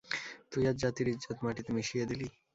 তুই আজ জাতির ইজ্জত মাটিতে মিশিয়ে দিলি?